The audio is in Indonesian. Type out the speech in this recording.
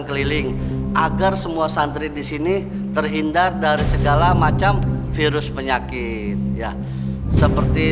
keliling agar semua santri di sini terhindar dari segala macam virus penyakit ya seperti